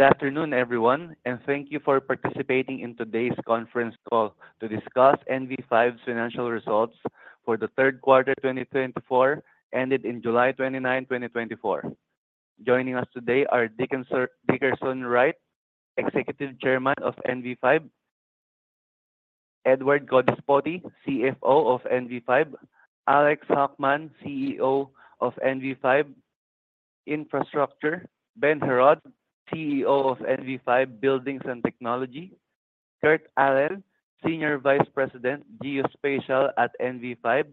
Good afternoon, everyone, and thank you for participating in today's Conference Call to discuss NV5's Financial Results for the Third Quarter 2024, ended in July 29, 2024. Joining us today are Dickerson Wright, Executive Chairman of NV5, Edward Codispoti, CFO of NV5, Alex Hockman, CEO of NV5 Infrastructure, Ben Heraud, CEO of NV5 Buildings and Technology, Kurt Allen, Senior Vice President, Geospatial at NV5,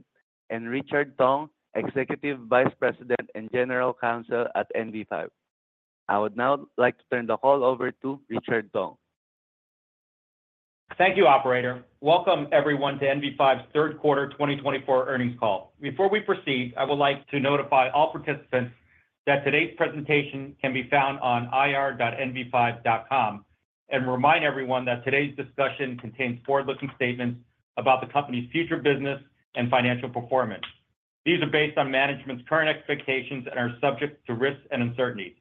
and Richard Tong, Executive Vice President and General Counsel at NV5. I would now like to turn the call over to Richard Tong. Thank you, Operator. Welcome, everyone, to NV5's third quarter 2024 earnings call. Before we proceed, I would like to notify all participants that today's presentation can be found on ir.nv5.com and remind everyone that today's discussion contains forward-looking statements about the company's future business and financial performance. These are based on management's current expectations and are subject to risks and uncertainties.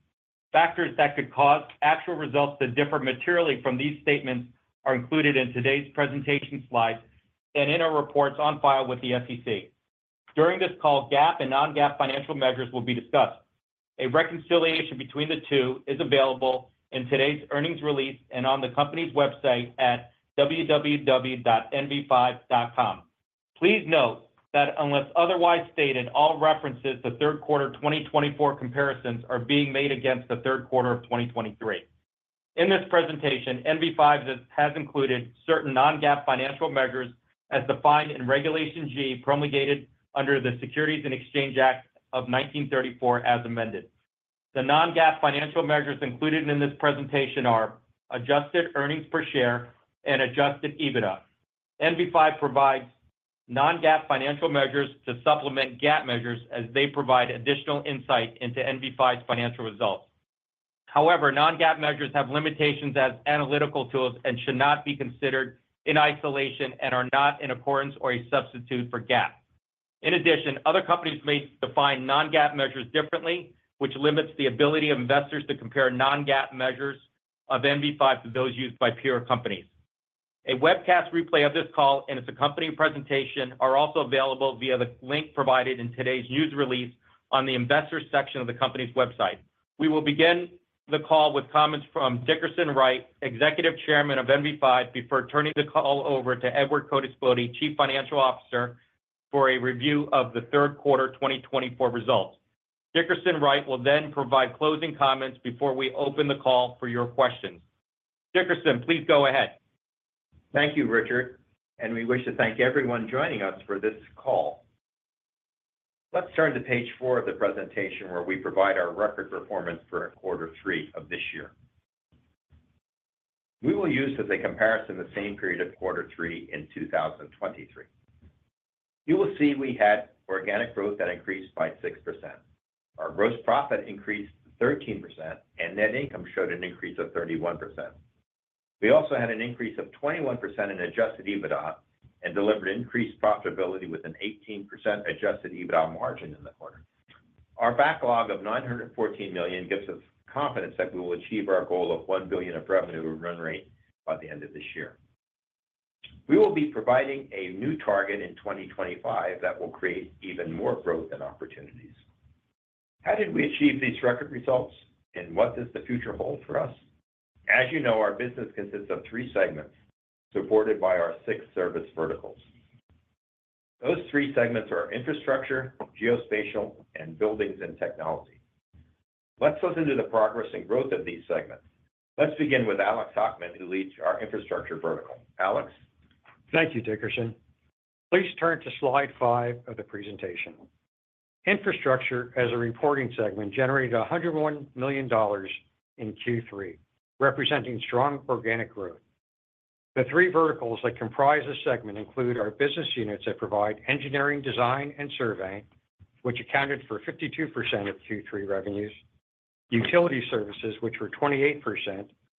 Factors that could cause actual results to differ materially from these statements are included in today's presentation slides and in our reports on file with the SEC. During this call, GAAP and non-GAAP financial measures will be discussed. A reconciliation between the two is available in today's earnings release and on the company's website at www.nv5.com. Please note that, unless otherwise stated, all references to third quarter 2024 comparisons are being made against the third quarter of 2023. In this presentation, NV5 has included certain non-GAAP financial measures as defined in Regulation G, promulgated under the Securities Exchange Act of 1934, as amended. The non-GAAP financial measures included in this presentation are adjusted earnings per share and adjusted EBITDA. NV5 provides non-GAAP financial measures to supplement GAAP measures, as they provide additional insight into NV5's financial results. However, non-GAAP measures have limitations as analytical tools and should not be considered in isolation or as a substitute for GAAP. In addition, other companies may define non-GAAP measures differently, which limits the ability of investors to compare non-GAAP measures of NV5 to those used by peer companies. A webcast replay of this call and its accompanying presentation are also available via the link provided in today's news release on the Investors section of the company's website. We will begin the call with comments from Dickerson Wright, Executive Chairman of NV5, before turning the call over to Edward Codispoti, Chief Financial Officer, for a review of the third quarter 2024 results. Dickerson Wright will then provide closing comments before we open the call for your questions. Dickerson, please go ahead. Thank you, Richard, and we wish to thank everyone joining us for this call. Let's turn to page four of the presentation, where we provide our record performance for quarter three of this year. We will use as a comparison the same period of quarter three in 2023. You will see we had organic growth that increased by 6%. Our gross profit increased 13%, and net income showed an increase of 31%. We also had an increase of 21% in adjusted EBITDA and delivered increased profitability with an 18% adjusted EBITDA margin in the quarter. Our backlog of $914 million gives us confidence that we will achieve our goal of $1 billion of revenue run rate by the end of this year. We will be providing a new target in 2025 that will create even more growth and opportunities. How did we achieve these record results, and what does the future hold for us? As you know, our business consists of three segments supported by our six service verticals. Those three segments are infrastructure, geospatial, and buildings and technology. Let's look into the progress and growth of these segments. Let's begin with Alex Hockman, who leads our infrastructure vertical. Alex. Thank you, Dickerson. Please turn to slide five of the presentation. Infrastructure, as a reporting segment, generated $101 million in Q3, representing strong organic growth. The three verticals that comprise this segment include our business units that provide engineering design and survey, which accounted for 52% of Q3 revenues, utility services, which were 28%,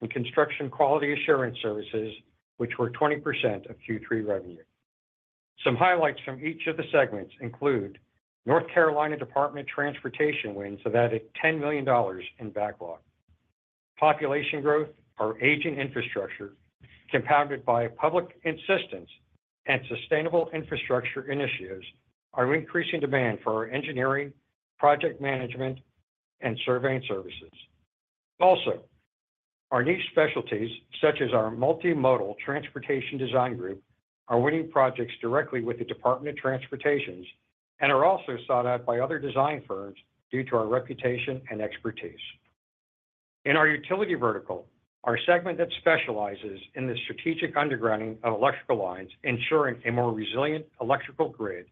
and construction quality assurance services, which were 20% of Q3 revenue. Some highlights from each of the segments include North Carolina Department of Transportation wins, so that at $10 million in backlog. Population growth, our aging infrastructure, compounded by public insistence and sustainable infrastructure initiatives, are increasing demand for our engineering, project management, and surveying services. Also, our niche specialties, such as our multimodal transportation design group, are winning projects directly with the Department of Transportation and are also sought out by other design firms due to our reputation and expertise. In our utility vertical, our segment that specializes in the strategic undergrounding of electrical lines, ensuring a more resilient electrical grid,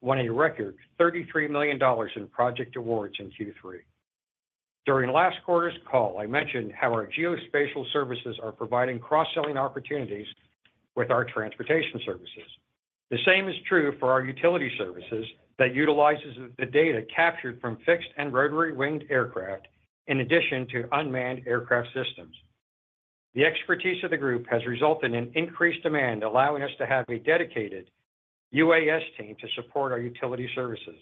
won a record $33 million in project awards in Q3. During last quarter's call, I mentioned how our geospatial services are providing cross-selling opportunities with our transportation services. The same is true for our utility services that utilize the data captured from fixed and rotary-winged aircraft, in addition to unmanned aircraft systems. The expertise of the group has resulted in increased demand, allowing us to have a dedicated UAS team to support our utility services.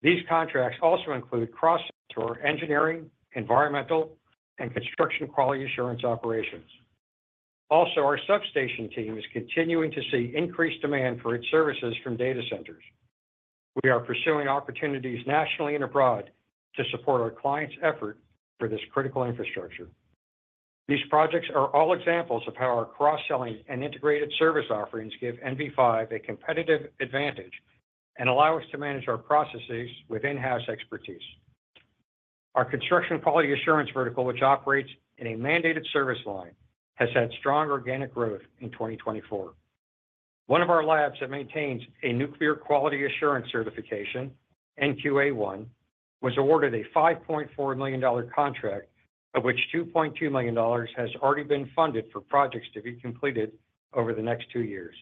These contracts also include cross-sector engineering, environmental, and construction quality assurance operations. Also, our substation team is continuing to see increased demand for its services from data centers. We are pursuing opportunities nationally and abroad to support our clients' effort for this critical infrastructure. These projects are all examples of how our cross-selling and integrated service offerings give NV5 a competitive advantage and allow us to manage our processes with in-house expertise. Our construction quality assurance vertical, which operates in a mandated service line, has had strong organic growth in 2024. One of our labs that maintains a nuclear quality assurance certification, NQA-1, was awarded a $5.4 million contract, of which $2.2 million has already been funded for projects to be completed over the next two years.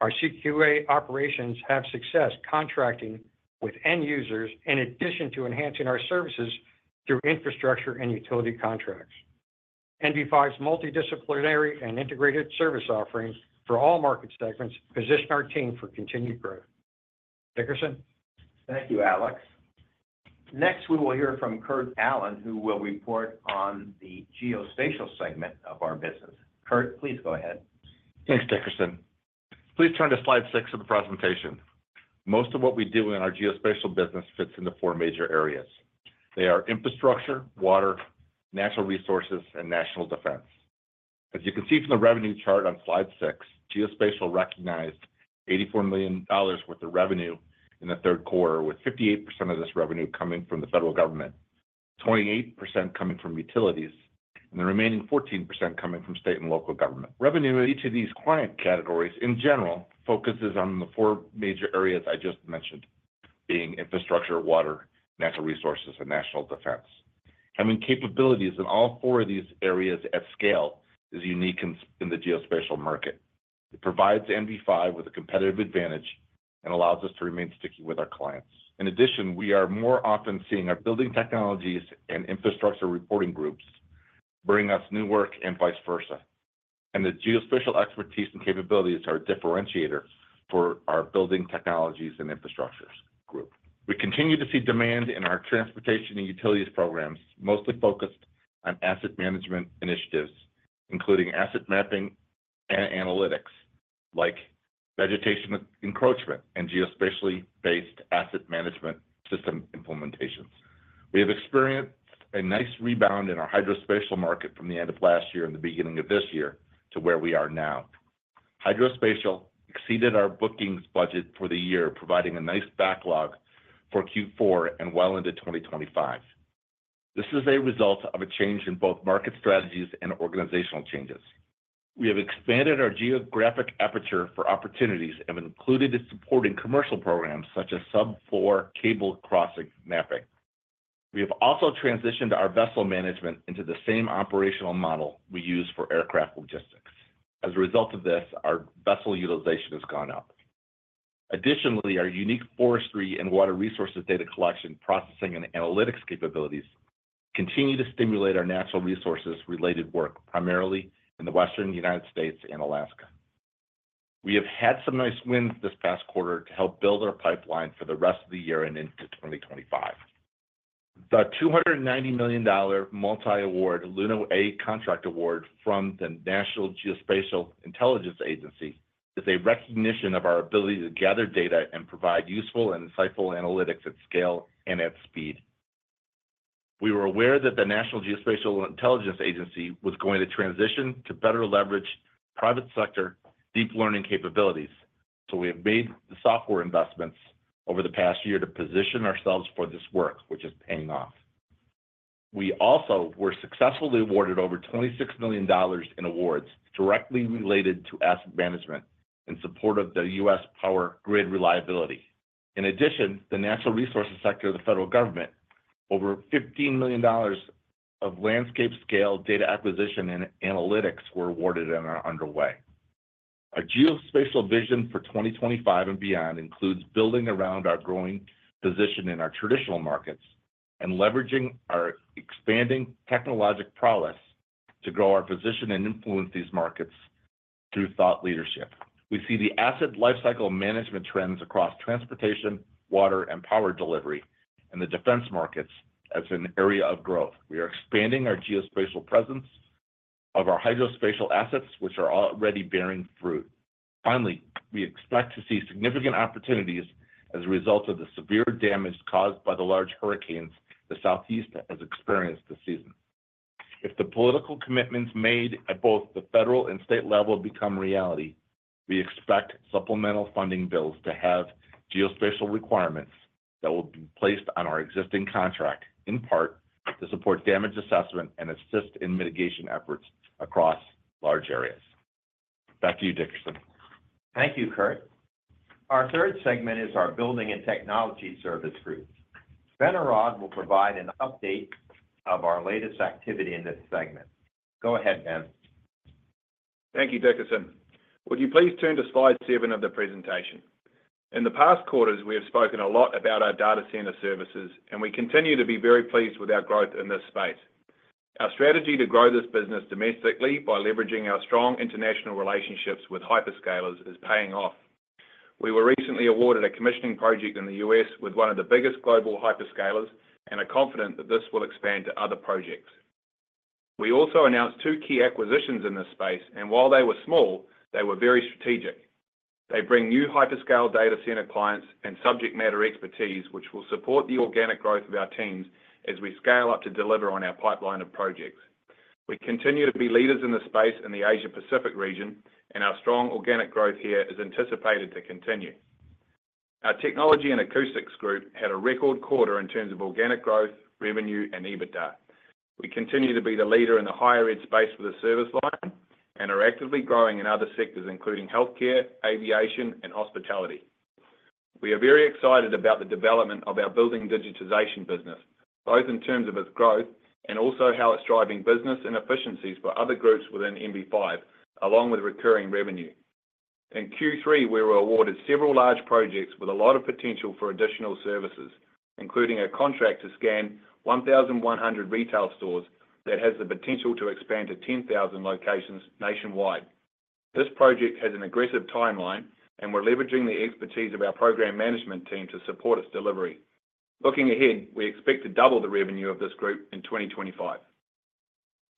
Our CQA operations have success contracting with end users, in addition to enhancing our services through infrastructure and utility contracts. NV5's multidisciplinary and integrated service offerings for all market segments position our team for continued growth. Dickerson? Thank you, Alex. Next, we will hear from Kurt Allen, who will report on the geospatial segment of our business. Kurt, please go ahead. Thanks, Dickerson. Please turn to slide six of the presentation. Most of what we do in our geospatial business fits into four major areas. They are infrastructure, water, natural resources, and national defense. As you can see from the revenue chart on slide six, geospatial recognized $84 million worth of revenue in the third quarter, with 58% of this revenue coming from the federal government, 28% coming from utilities, and the remaining 14% coming from state and local government. Revenue in each of these client categories, in general, focuses on the four major areas I just mentioned, being infrastructure, water, natural resources, and national defense. Having capabilities in all four of these areas at scale is unique in the geospatial market. It provides NV5 with a competitive advantage and allows us to remain sticky with our clients. In addition, we are more often seeing our building technologies and infrastructure reporting groups bring us new work and vice versa. And the geospatial expertise and capabilities are a differentiator for our building technologies and infrastructures group. We continue to see demand in our transportation and utilities programs, mostly focused on asset management initiatives, including asset mapping and analytics, like vegetation encroachment and geospatially based asset management system implementations. We have experienced a nice rebound in our hydrospatial market from the end of last year and the beginning of this year to where we are now. Hydrospatial exceeded our bookings budget for the year, providing a nice backlog for Q4 and well into 2025. This is a result of a change in both market strategies and organizational changes. We have expanded our geographic aperture for opportunities and included supporting commercial programs such as sub-floor cable crossing mapping. We have also transitioned our vessel management into the same operational model we use for aircraft logistics. As a result of this, our vessel utilization has gone up. Additionally, our unique forestry and water resources data collection, processing, and analytics capabilities continue to stimulate our natural resources-related work, primarily in the Western United States and Alaska. We have had some nice wins this past quarter to help build our pipeline for the rest of the year and into 2025. The $290 million multi-award Luno A contract award from the National Geospatial-Intelligence Agency is a recognition of our ability to gather data and provide useful and insightful analytics at scale and at speed. We were aware that the National Geospatial-Intelligence Agency was going to transition to better leverage private sector deep learning capabilities, so we have made the software investments over the past year to position ourselves for this work, which is paying off. We also were successfully awarded over $26 million in awards directly related to asset management in support of the U.S. power grid reliability. In addition, the natural resources sector of the federal government, over $15 million of landscape scale data acquisition and analytics were awarded and are underway. Our geospatial vision for 2025 and beyond includes building around our growing position in our traditional markets and leveraging our expanding technological prowess to grow our position and influence these markets through thought leadership. We see the asset lifecycle management trends across transportation, water, and power delivery in the defense markets as an area of growth. We are expanding our geospatial presence of our hydrospatial assets, which are already bearing fruit. Finally, we expect to see significant opportunities as a result of the severe damage caused by the large hurricanes the Southeast has experienced this season. If the political commitments made at both the federal and state level become reality, we expect supplemental funding bills to have geospatial requirements that will be placed on our existing contract, in part to support damage assessment and assist in mitigation efforts across large areas. Back to you, Dickerson. Thank you, Kurt. Our third segment is our building and technology service group. Ben Heraud will provide an update of our latest activity in this segment. Go ahead, Ben. Thank you, Dickerson. Would you please turn to slide seven of the presentation? In the past quarters, we have spoken a lot about our data center services, and we continue to be very pleased with our growth in this space. Our strategy to grow this business domestically by leveraging our strong international relationships with hyperscalers is paying off. We were recently awarded a commissioning project in the U.S. with one of the biggest global hyperscalers, and are confident that this will expand to other projects. We also announced two key acquisitions in this space, and while they were small, they were very strategic. They bring new hyperscale data center clients and subject matter expertise, which will support the organic growth of our teams as we scale up to deliver on our pipeline of projects. We continue to be leaders in the space in the Asia-Pacific region, and our strong organic growth here is anticipated to continue. Our technology and acoustics group had a record quarter in terms of organic growth, revenue, and EBITDA. We continue to be the leader in the higher ed space for the service line and are actively growing in other sectors, including healthcare, aviation, and hospitality. We are very excited about the development of our building digitization business, both in terms of its growth and also how it's driving business and efficiencies for other groups within NV5, along with recurring revenue. In Q3, we were awarded several large projects with a lot of potential for additional services, including a contract to scan 1,100 retail stores that has the potential to expand to 10,000 locations nationwide. This project has an aggressive timeline, and we're leveraging the expertise of our program management team to support its delivery. Looking ahead, we expect to double the revenue of this group in 2025.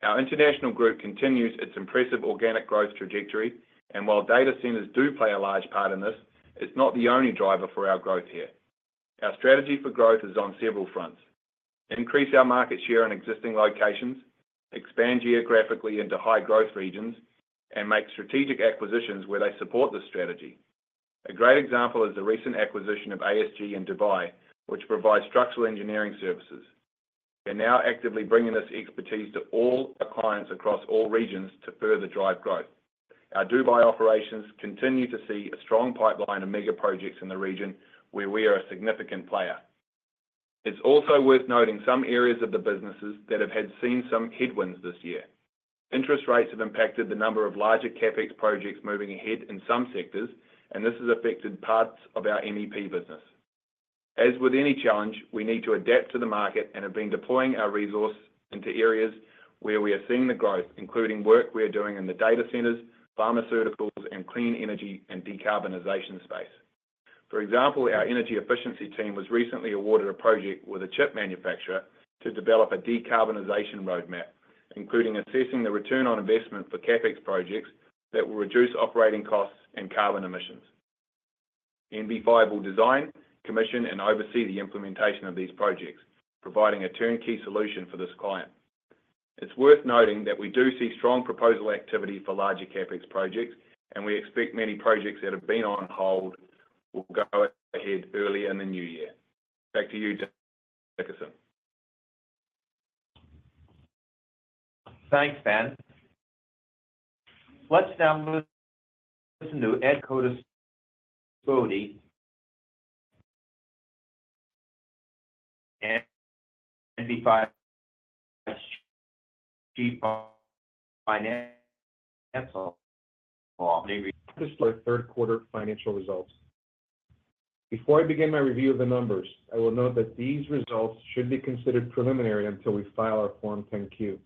Our international group continues its impressive organic growth trajectory, and while data centers do play a large part in this, it's not the only driver for our growth here. Our strategy for growth is on several fronts: increase our market share in existing locations, expand geographically into high growth regions, and make strategic acquisitions where they support this strategy. A great example is the recent acquisition of ASG in Dubai, which provides structural engineering services. They're now actively bringing this expertise to all our clients across all regions to further drive growth. Our Dubai operations continue to see a strong pipeline of mega projects in the region, where we are a significant player. It's also worth noting some areas of the businesses that have had seen some headwinds this year. Interest rates have impacted the number of larger CapEx projects moving ahead in some sectors, and this has affected parts of our MEP business. As with any challenge, we need to adapt to the market and have been deploying our resources into areas where we are seeing the growth, including work we are doing in the data centers, pharmaceuticals, and clean energy and decarbonization space. For example, our energy efficiency team was recently awarded a project with a chip manufacturer to develop a decarbonization roadmap, including assessing the return on investment for CapEx projects that will reduce operating costs and carbon emissions. NV5 will design, commission, and oversee the implementation of these projects, providing a turnkey solution for this client. It's worth noting that we do see strong proposal activity for larger CapEx projects, and we expect many projects that have been on hold will go ahead earlier in the new year. Back to you, Dickerson. Thanks, Ben. Let's now listen to Ed Codispoti, NV5 Chief Financial Officer, on the third quarter financial results. Before I begin my review of the numbers, I will note that these results should be considered preliminary until we file our Form 10-Q.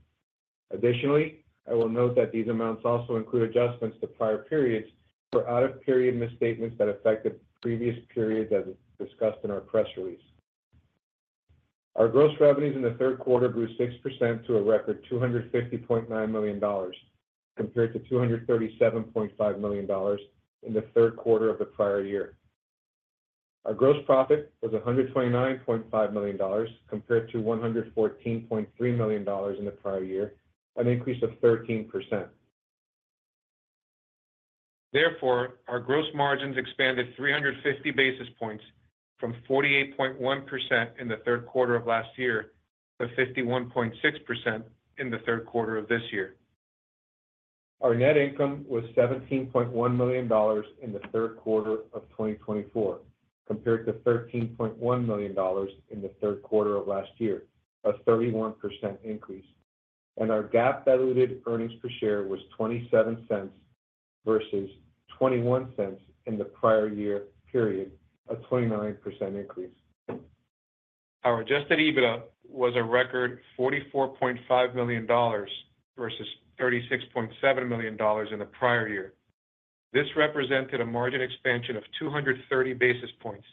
Additionally, I will note that these amounts also include adjustments to prior periods for out-of-period misstatements that affected previous periods as discussed in our press release. Our gross revenues in the third quarter grew 6% to a record $250.9 million, compared to $237.5 million in the third quarter of the prior year. Our gross profit was $129.5 million, compared to $114.3 million in the prior year, an increase of 13%. Therefore, our gross margins expanded 350 basis points from 48.1% in the third quarter of last year to 51.6% in the third quarter of this year. Our net income was $17.1 million in the third quarter of 2024, compared to $13.1 million in the third quarter of last year, a 31% increase, and our GAAP diluted earnings per share was $0.27 versus $0.21 in the prior year period, a 29% increase. Our adjusted EBITDA was a record $44.5 million versus $36.7 million in the prior year. This represented a margin expansion of 230 basis points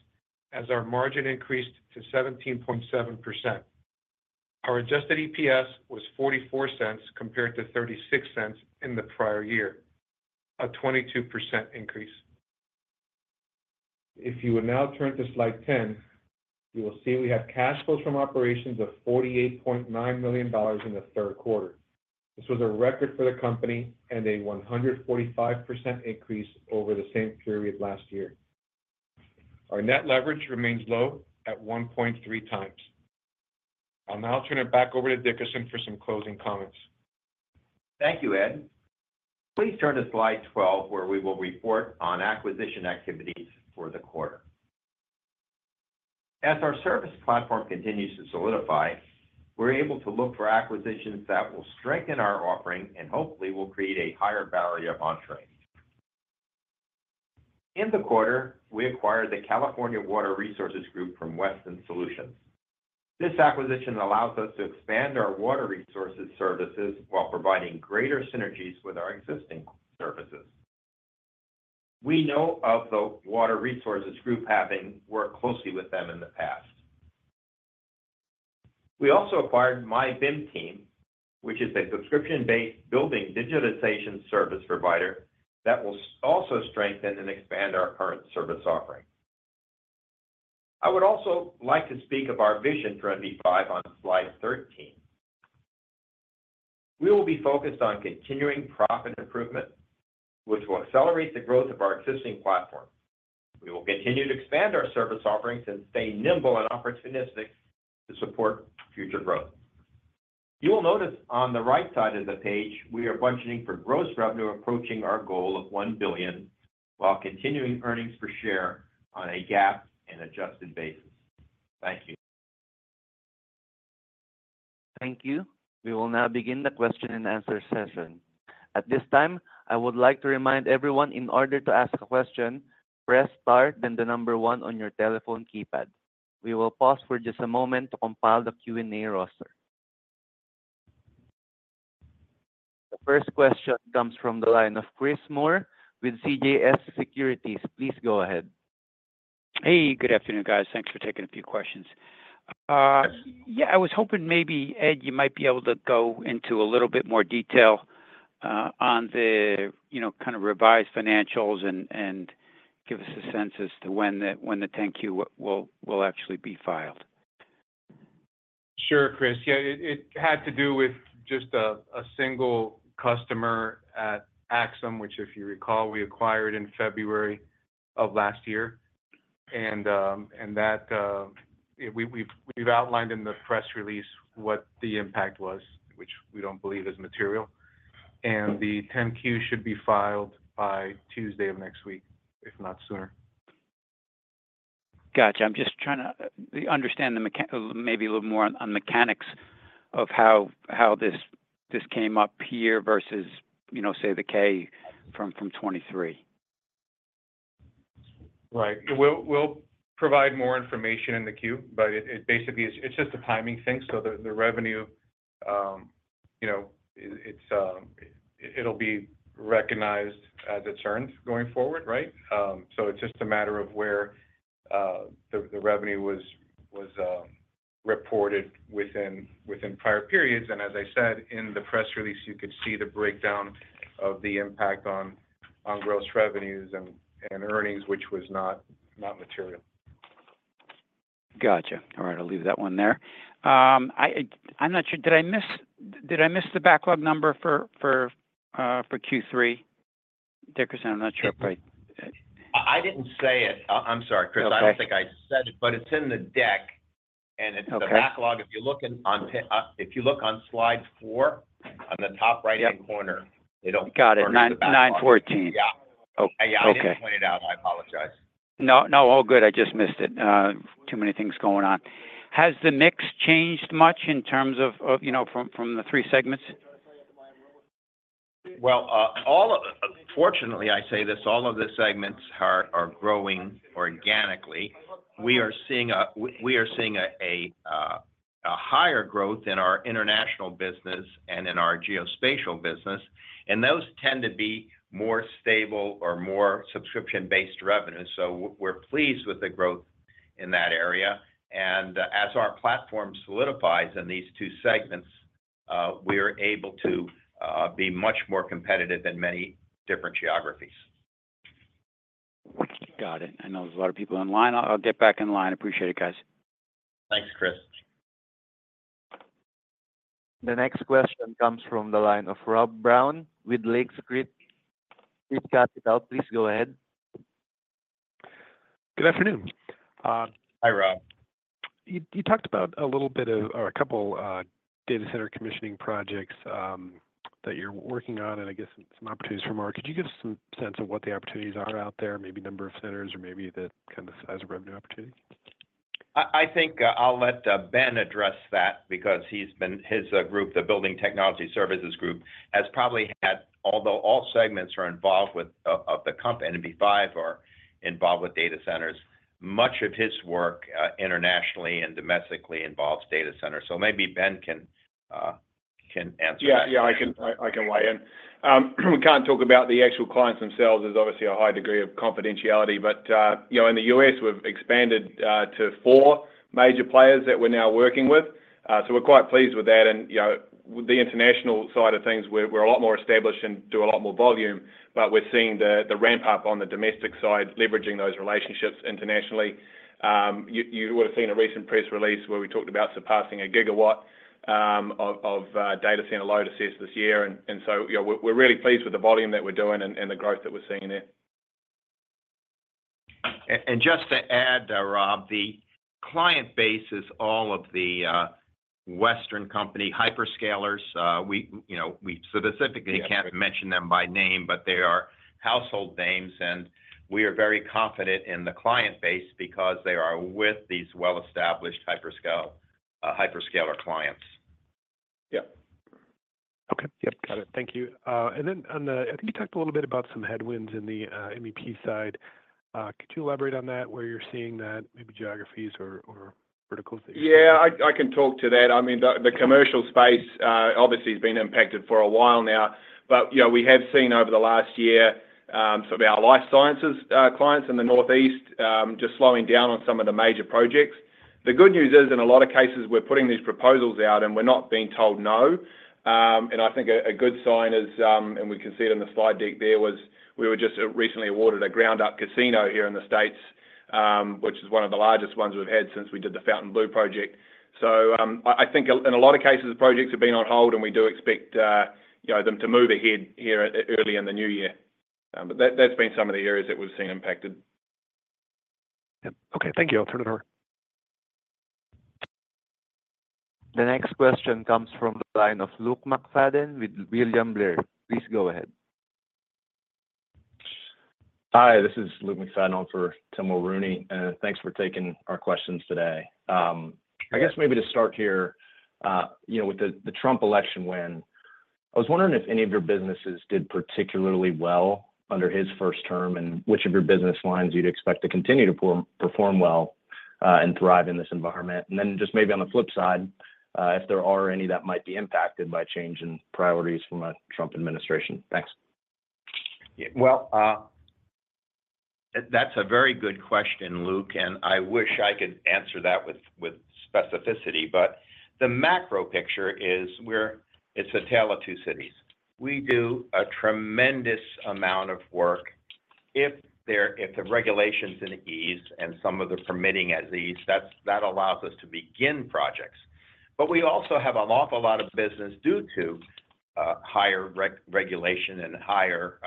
as our margin increased to 17.7%. Our adjusted EPS was $0.44 compared to $0.36 in the prior year, a 22% increase. If you would now turn to slide 10, you will see we have cash flows from operations of $48.9 million in the third quarter. This was a record for the company and a 145% increase over the same period last year. Our net leverage remains low at 1.3x. I'll now turn it back over to Dickerson for some closing comments. Thank you, Ed. Please turn to slide 12, where we will report on acquisition activities for the quarter. As our service platform continues to solidify, we're able to look for acquisitions that will strengthen our offering and hopefully will create a higher barrier of entry. In the quarter, we acquired the California Water Resources Group from Weston Solutions. This acquisition allows us to expand our water resources services while providing greater synergies with our existing services. We know of the Water Resources Group having worked closely with them in the past. We also acquired MyBIMTeam, which is a subscription-based building digitization service provider that will also strengthen and expand our current service offering. I would also like to speak of our vision for NV5 on slide 13. We will be focused on continuing profit improvement, which will accelerate the growth of our existing platform. We will continue to expand our service offerings and stay nimble and opportunistic to support future growth. You will notice on the right side of the page, we are budgeting for gross revenue approaching our goal of $1 billion while continuing earnings per share on a GAAP and adjusted basis. Thank you. Thank you. We will now begin the question-and-answer session. At this time, I would like to remind everyone in order to ask a question, press star then the number one on your telephone keypad. We will pause for just a moment to compile the Q&A roster. The first question comes from the line of Chris Moore with CJS Securities. Please go ahead. Hey, good afternoon, guys. Thanks for taking a few questions. Yeah, I was hoping maybe, Ed, you might be able to go into a little bit more detail on the kind of revised financials and give us a sense as to when the 10-Q will actually be filed. Sure, Chris. Yeah, it had to do with just a single customer at Axim, which, if you recall, we acquired in February of last year. And we've outlined in the press release what the impact was, which we don't believe is material. And the 10-Q should be filed by Tuesday of next week, if not sooner. Gotcha. I'm just trying to understand maybe a little more on mechanics of how this came up here versus, say, the K from 2023. Right. We'll provide more information in the Q, but it basically is just a timing thing. So the revenue, it'll be recognized as it's earned going forward, right? So it's just a matter of where the revenue was reported within prior periods, and as I said, in the press release, you could see the breakdown of the impact on gross revenues and earnings, which was not material. Gotcha. All right. I'll leave that one there. I'm not sure. Did I miss the backlog number for Q3, Dickerson? I'm not sure, but. I didn't say it. I'm sorry, Chris. I don't think I said it, but it's in the deck. And it's the backlog. If you look on slide four, on the top right-hand corner, they don't foresee the backlog. Got it. 914. Yeah. I didn't point it out. I apologize. No, no. All good. I just missed it. Too many things going on. Has the mix changed much in terms of from the three segments? Fortunately, I say this, all of the segments are growing organically. We are seeing a higher growth in our international business and in our geospatial business. Those tend to be more stable or more subscription-based revenue. We're pleased with the growth in that area. As our platform solidifies in these two segments, we are able to be much more competitive in many different geographies. Got it. I know there's a lot of people online. I'll get back in line. Appreciate it, guys. Thanks, Chris. The next question comes from the line of Rob Brown with Lake Street Capital Markets. Please go ahead. Good afternoon. Hi, Rob. You talked about a little bit of or a couple of data center commissioning projects that you're working on and, I guess, some opportunities from hyperscalers. Could you give us some sense of what the opportunities are out there, maybe number of centers or maybe the kind of size of revenue opportunity? I think I'll let Ben address that because his group, the Building Technology Services Group, has probably had, although all segments are involved with the company, NV5 are involved with data centers. Much of his work internationally and domestically involves data centers. So maybe Ben can answer that. Yeah, yeah. I can weigh in. We can't talk about the actual clients themselves. There's obviously a high degree of confidentiality. But in the U.S., we've expanded to four major players that we're now working with. So we're quite pleased with that. And the international side of things, we're a lot more established and do a lot more volume, but we're seeing the ramp-up on the domestic side, leveraging those relationships internationally. You would have seen a recent press release where we talked about surpassing a gigawatt of data center load assessed this year. And so we're really pleased with the volume that we're doing and the growth that we're seeing there. And just to add, Rob, the client base is all of the Western company hyperscalers. We specifically can't mention them by name, but they are household names. And we are very confident in the client base because they are with these well-established hyperscaler clients. Yeah. Okay. Yep. Got it. Thank you. And then on the, I think you talked a little bit about some headwinds in the MEP side. Could you elaborate on that, where you're seeing that, maybe geographies or verticals that you're? Yeah, I can talk to that. I mean, the commercial space obviously has been impacted for a while now. But we have seen over the last year sort of our life sciences clients in the Northeast just slowing down on some of the major projects. The good news is, in a lot of cases, we're putting these proposals out, and we're not being told no. And I think a good sign is, and we can see it in the slide deck there, was we were just recently awarded a ground-up casino here in the States, which is one of the largest ones we've had since we did the Fontainebleau project. So I think in a lot of cases, the projects have been on hold, and we do expect them to move ahead here early in the new year. But that's been some of the areas that we've seen impacted. Yep. Okay. Thank you. I'll turn it over. The next question comes from the line of Luke McFadden with William Blair. Please go ahead. Hi. This is Luke McFadden for Tim Mulrooney. Thanks for taking our questions today. I guess maybe to start here with the Trump election win, I was wondering if any of your businesses did particularly well under his first term and which of your business lines you'd expect to continue to perform well and thrive in this environment. And then just maybe on the flip side, if there are any that might be impacted by change in priorities from a Trump administration. Thanks. Well, that's a very good question, Luke, and I wish I could answer that with specificity. But the macro picture is it's the tale of two cities. We do a tremendous amount of work if the regulations ease and some of the permitting eases. That allows us to begin projects. But we also have an awful lot of business due to higher regulation and higher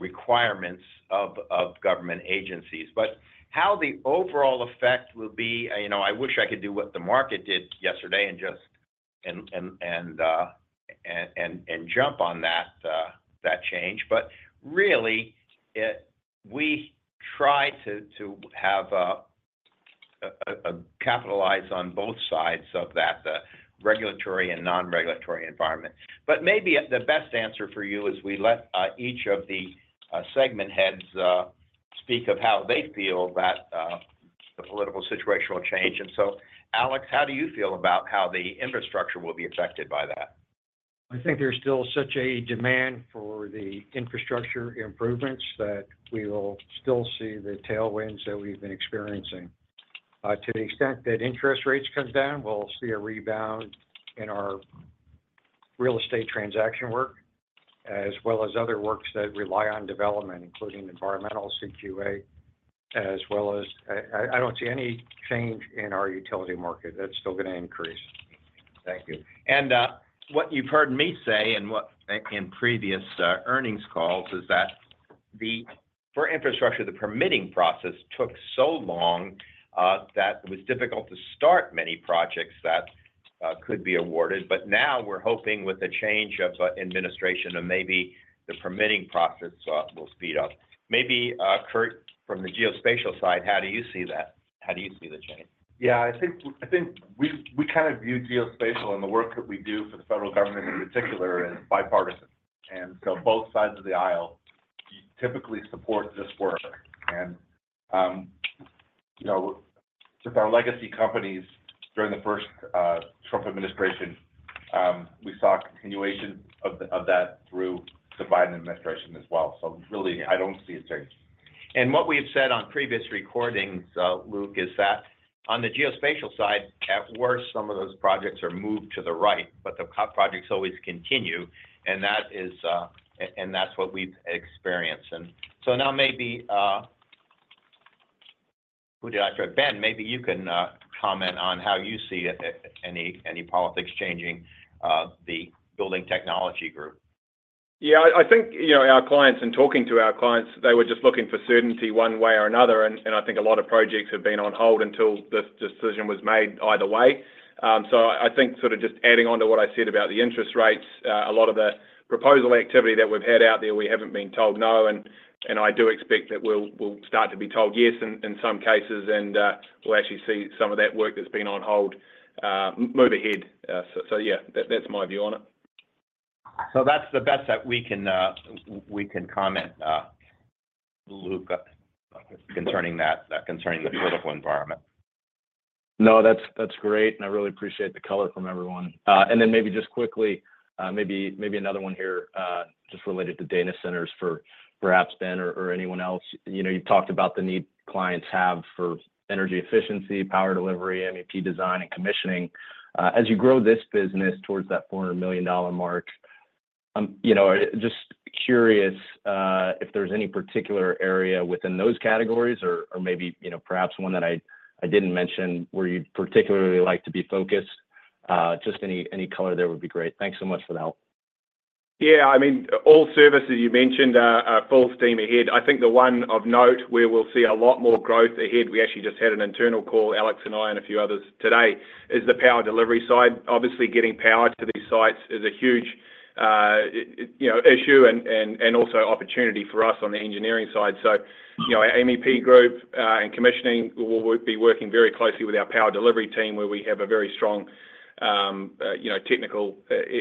requirements of government agencies. But how the overall effect will be, I wish I could do what the market did yesterday and just jump on that change. But really, we try to capitalize on both sides of that regulatory and non-regulatory environment. But maybe the best answer for you is we let each of the segment heads speak of how they feel that the political situation will change. And so, Alex, how do you feel about how the infrastructure will be affected by that? I think there's still such a demand for the infrastructure improvements that we will still see the tailwinds that we've been experiencing. To the extent that interest rates come down, we'll see a rebound in our real estate transaction work as well as other works that rely on development, including environmental CQA, as well as I don't see any change in our utility market. That's still going to increase. Thank you. And what you've heard me say in previous earnings calls is that for infrastructure, the permitting process took so long that it was difficult to start many projects that could be awarded. But now we're hoping with the change of administration and maybe the permitting process will speed up. Maybe Kurt from the geospatial side, how do you see that? How do you see the change? Yeah. I think we kind of view geospatial and the work that we do for the federal government in particular is bipartisan. And so both sides of the aisle typically support this work. And with our legacy companies during the first Trump administration, we saw continuation of that through the Biden administration as well. So really, I don't see a change. What we've said on previous recordings, Luke, is that on the geospatial side, at worst, some of those projects are moved to the right, but the projects always continue. And that's what we've experienced. And so now maybe who did I start? Ben, maybe you can comment on how you see any politics changing the Building Technology Group. Yeah. I think our clients and talking to our clients, they were just looking for certainty one way or another. And I think a lot of projects have been on hold until this decision was made either way. So I think, sort of just adding on to what I said about the interest rates, a lot of the proposal activity that we've had out there. We haven't been told no. And I do expect that we'll start to be told yes in some cases. And we'll actually see some of that work that's been on hold move ahead. So yeah, that's my view on it. So that's the best that we can comment, Luke, concerning the political environment. No, that's great, and I really appreciate the color from everyone, and then maybe just quickly, maybe another one here just related to data centers for perhaps Ben or anyone else. You've talked about the need clients have for energy efficiency, power delivery, MEP design, and commissioning. As you grow this business towards that $400 million mark, just curious if there's any particular area within those categories or maybe perhaps one that I didn't mention where you'd particularly like to be focused. Just any color there would be great. Thanks so much for the help. Yeah. I mean, all services you mentioned are full steam ahead. I think the one of note where we'll see a lot more growth ahead, we actually just had an internal call, Alex and I and a few others today, is the power delivery side. Obviously, getting power to these sites is a huge issue and also opportunity for us on the engineering side. So MEP Group and commissioning will be working very closely with our power delivery team where we have a very strong technical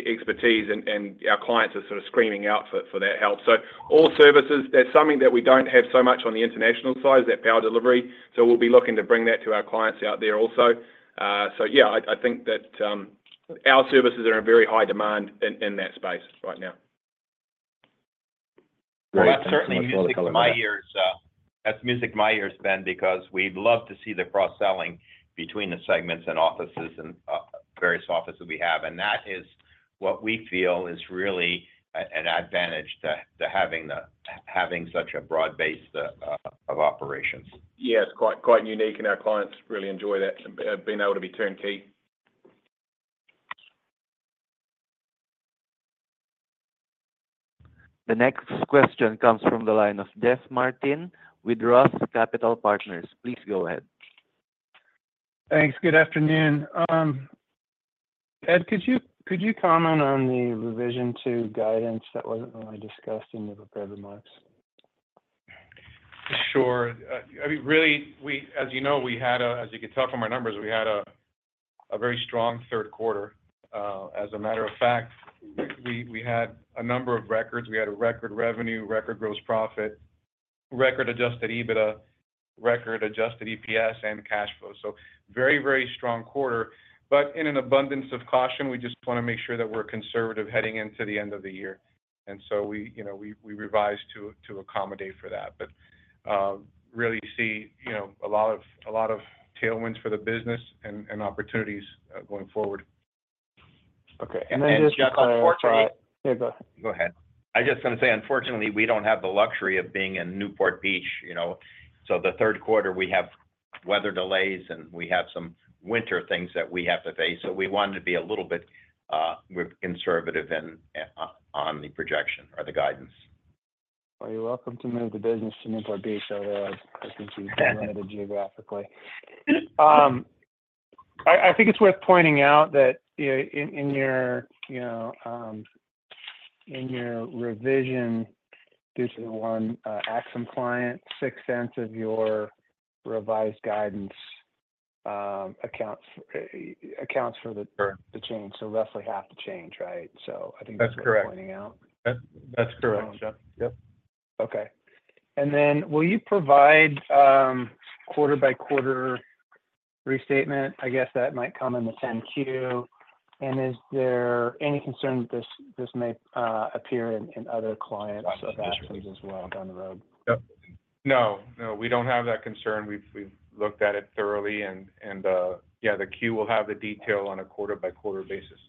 expertise, and our clients are sort of screaming out for that help. So all services, there's something that we don't have so much on the international side, that power delivery. So we'll be looking to bring that to our clients out there also. So yeah, I think that our services are in very high demand in that space right now. That's certainly music to my ears. That's music to my ears, Ben, because we'd love to see the cross-selling between the segments and offices and various offices we have. That is what we feel is really an advantage to having such a broad base of operations. Yeah. It's quite unique, and our clients really enjoy that, being able to be turnkey. The next question comes from the line of Jeff Martin with Roth Capital Partners. Please go ahead. Thanks. Good afternoon. Ed, could you comment on the revision to guidance that wasn't really discussed in the prepared remarks? Sure. I mean, really, as you know, we had a, as you can tell from our numbers, we had a very strong third quarter. As a matter of fact, we had a number of records. We had a record revenue, record gross profit, record Adjusted EBITDA, record Adjusted EPS, and cash flow. So very, very strong quarter. But in an abundance of caution, we just want to make sure that we're conservative heading into the end of the year, and so we revised to accommodate for that, but really see a lot of tailwinds for the business and opportunities going forward. Okay. And then just unfortunately. And Jeff, unfortunately. Yeah, go ahead. Go ahead. I was just going to say, unfortunately, we don't have the luxury of being in Newport Beach, so the third quarter, we have weather delays, and we have some winter things that we have to face, so we wanted to be a little bit more conservative on the projection or the guidance. You're welcome to move the business to Newport Beach. I think you've been limited geographically. I think it's worth pointing out that in your revision due to one Axim client, $0.06 of your revised guidance accounts for the change. So roughly half the change, right? So I think it's worth pointing out. That's correct. Yep. Okay. And then will you provide quarter-by-quarter restatement? I guess that might come in the 10-Q. And is there any concern that this may appear in other clients' assets as well down the road? No. No. We don't have that concern. We've looked at it thoroughly, and yeah, the Q will have the detail on a quarter-by-quarter basis.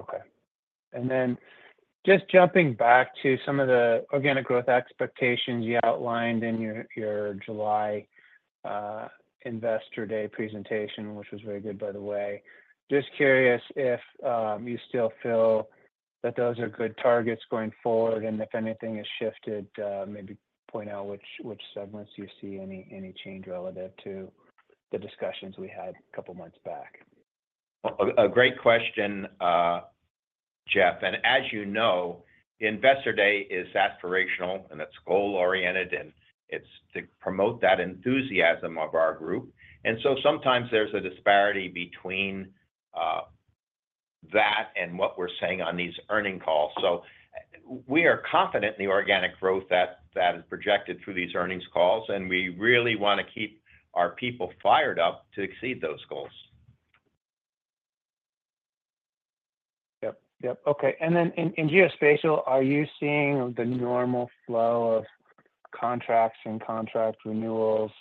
Okay. And then just jumping back to some of the organic growth expectations you outlined in your July investor day presentation, which was very good, by the way. Just curious if you still feel that those are good targets going forward. And if anything has shifted, maybe point out which segments you see any change relative to the discussions we had a couple of months back. A great question, Jeff. And as you know, investor day is aspirational, and it's goal-oriented, and it's to promote that enthusiasm of our group. And so sometimes there's a disparity between that and what we're saying on these earnings calls. So we are confident in the organic growth that is projected through these earnings calls, and we really want to keep our people fired up to exceed those goals. Yep. Okay. And then in geospatial, are you seeing the normal flow of contracts and contract renewals?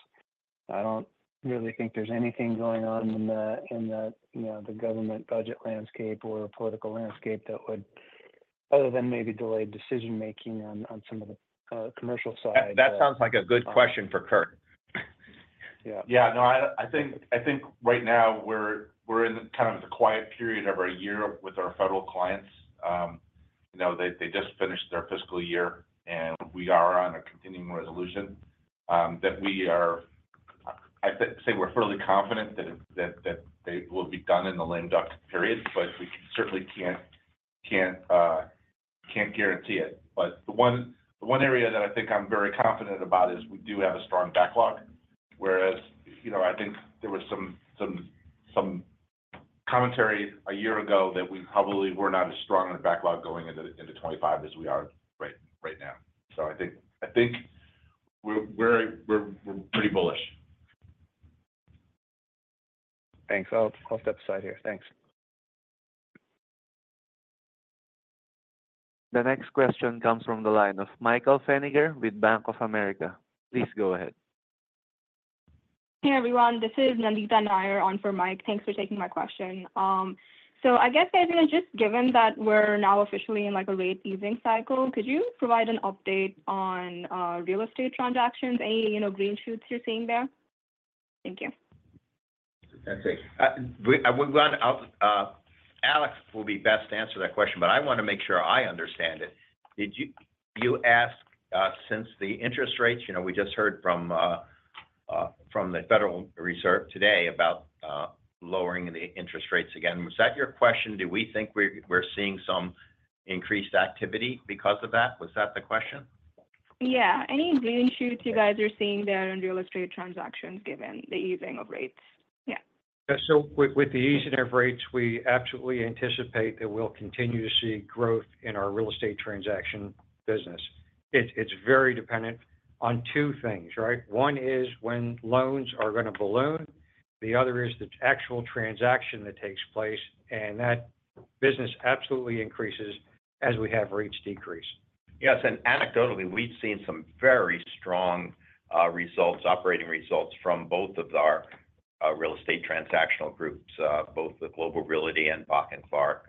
I don't really think there's anything going on in the government budget landscape or political landscape that would, other than maybe delayed decision-making on some of the commercial side. That sounds like a good question for Kurt. Yeah. No, I think right now we're in kind of the quiet period of our year with our federal clients. They just finished their fiscal year, and we are on a continuing resolution that we are-I'd say we're fairly confident that they will be done in the lame duck period, but we certainly can't guarantee it. But the one area that I think I'm very confident about is we do have a strong backlog, whereas I think there was some commentary a year ago that we probably were not as strong in the backlog going into 2025 as we are right now. So I think we're pretty bullish. Thanks. I'll step aside here. Thanks. The next question comes from the line of Michael Feniger with Bank of America. Please go ahead. Hey, everyone. This is Nandita Nayar on for Mike. Thanks for taking my question, so I guess, given that we're now officially in a rate-easing cycle, could you provide an update on real estate transactions? Any green shoots you're seeing there? Thank you. Fantastic. Alex will be best to answer that question, but I want to make sure I understand it. You asked since the interest rates, we just heard from the Federal Reserve today about lowering the interest rates again. Was that your question? Do we think we're seeing some increased activity because of that? Was that the question? Yeah. Any green shoots you guys are seeing there in real estate transactions given the easing of rates? Yeah. So with the easing of rates, we absolutely anticipate that we'll continue to see growth in our real estate transaction business. It's very dependent on two things, right? One is when loans are going to balloon. The other is the actual transaction that takes place, and that business absolutely increases as we have rates decrease. Yes. And anecdotally, we've seen some very strong operating results from both of our real estate transactional groups, both the Global Realty and Bock & Clark.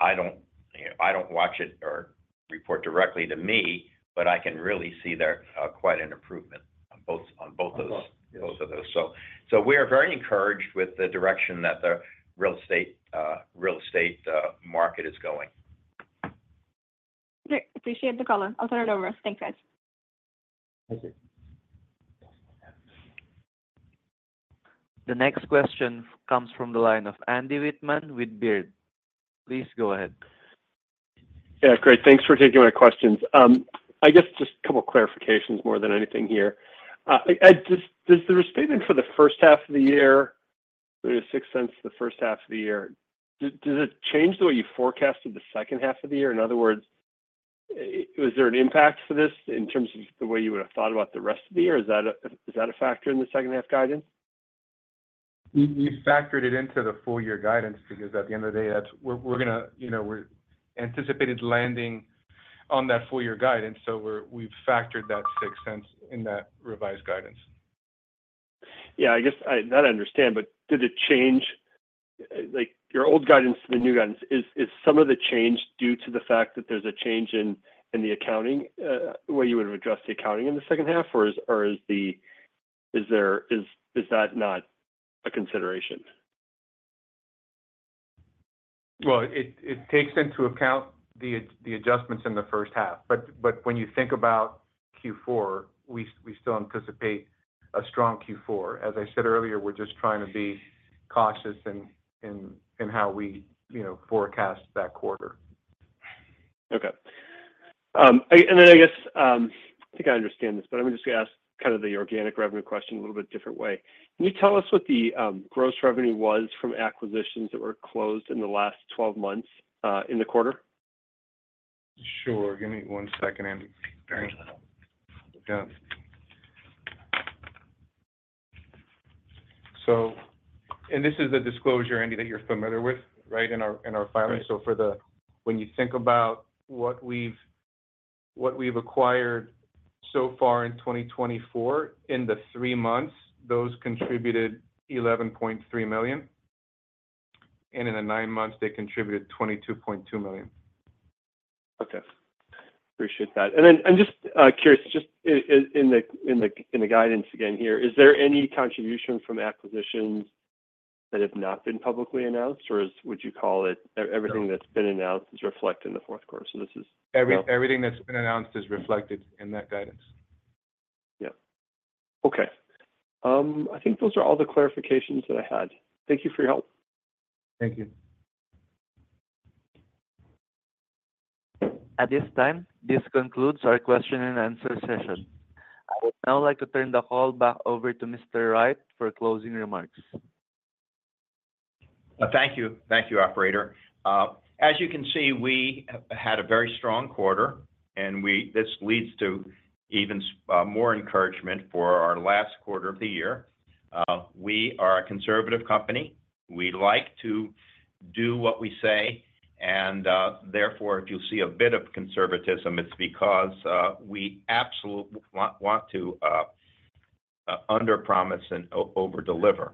I don't watch it or report directly to me, but I can really see there quite an improvement on both of those. So we are very encouraged with the direction that the real estate market is going. Appreciate the call. I'll turn it over. Thanks, guys. Thank you. The next question comes from the line of Andy Wittman with Baird. Please go ahead. Yeah. Great. Thanks for taking my questions. I guess just a couple of clarifications more than anything here. Does the restatement for the first half of the year, $0.03-$0.06 the first half of the year, does it change the way you forecasted the second half of the year? In other words, was there an impact for this in terms of the way you would have thought about the rest of the year? Is that a factor in the second-half guidance? We factored it into the full-year guidance because at the end of the day, we're going to, we anticipated landing on that full-year guidance, so we've factored that $0.06 in that revised guidance. Yeah. I guess I don't understand, but did it change your old guidance to the new guidance? Is some of the change due to the fact that there's a change in the accounting, where you would have addressed the accounting in the second half? Or is that not a consideration? It takes into account the adjustments in the first half. But when you think about Q4, we still anticipate a strong Q4. As I said earlier, we're just trying to be cautious in how we forecast that quarter. Okay. And then I guess I think I understand this, but I'm just going to ask kind of the organic revenue question a little bit different way. Can you tell us what the gross revenue was from acquisitions that were closed in the last 12 months in the quarter? Sure. Give me one second, Andy. Yeah. And this is a disclosure, Andy, that you're familiar with, right, in our filing? So when you think about what we've acquired so far in 2024, in the three months, those contributed $11.3 million. And in the nine months, they contributed $22.2 million. Okay. Appreciate that. And then I'm just curious, just in the guidance again here, is there any contribution from acquisitions that have not been publicly announced? Or would you call it everything that's been announced is reflected in the fourth quarter? So this is. Everything that's been announced is reflected in that guidance. Yeah. Okay. I think those are all the clarifications that I had. Thank you for your help. Thank you. At this time, this concludes our question-and-answer session. I would now like to turn the call back over to Mr. Wright for closing remarks. Thank you. Thank you, Operator. As you can see, we had a very strong quarter, and this leads to even more encouragement for our last quarter of the year. We are a conservative company. We like to do what we say. And therefore, if you see a bit of conservatism, it's because we absolutely want to underpromise and overdeliver.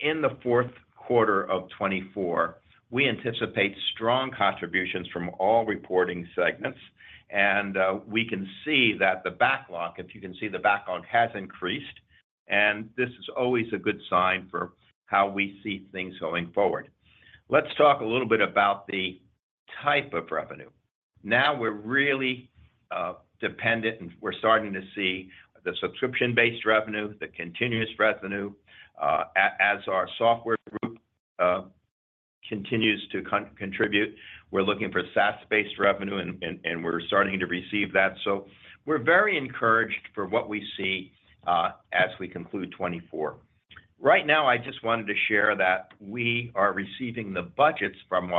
In the fourth quarter of 2024, we anticipate strong contributions from all reporting segments. And we can see that the backlog, if you can see the backlog, has increased. And this is always a good sign for how we see things going forward. Let's talk a little bit about the type of revenue. Now we're really dependent, and we're starting to see the subscription-based revenue, the continuous revenue. As our software group continues to contribute, we're looking for SaaS-based revenue, and we're starting to receive that. So we're very encouraged for what we see as we conclude 2024. Right now, I just wanted to share that we are receiving the budgets from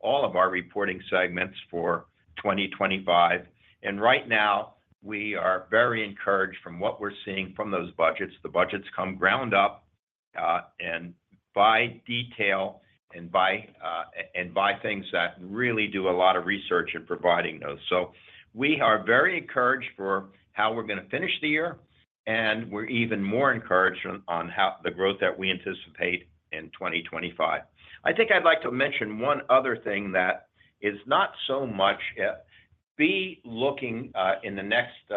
all of our reporting segments for 2025. And right now, we are very encouraged from what we're seeing from those budgets. The budgets come ground up and by detail and by things that really do a lot of research in providing those. So we are very encouraged for how we're going to finish the year. And we're even more encouraged on the growth that we anticipate in 2025. I think I'd like to mention one other thing that is not so much be looking in the next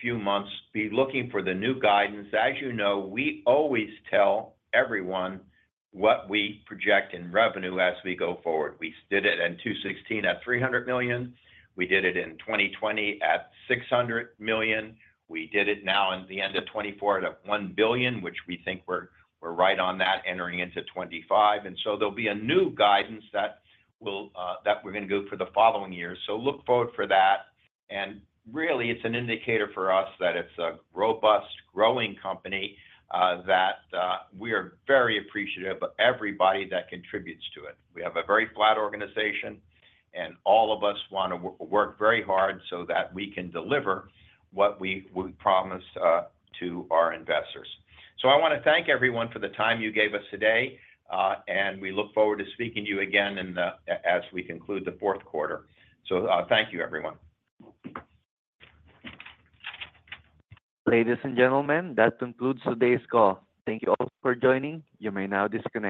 few months, be looking for the new guidance. As you know, we always tell everyone what we project in revenue as we go forward. We did it in 2016 at $300 million. We did it in 2020 at $600 million. We did it now in the end of 2024 at $1 billion, which we think we're right on that entering into 2025, and so there'll be a new guidance that we're going to go for the following year. Look forward for that. Really, it's an indicator for us that it's a robust, growing company that we are very appreciative of everybody that contributes to it. We have a very flat organization, and all of us want to work very hard so that we can deliver what we promise to our investors. I want to thank everyone for the time you gave us today. We look forward to speaking to you again as we conclude the fourth quarter. Thank you, everyone. Ladies and gentlemen, that concludes today's call. Thank you all for joining. You may now disconnect.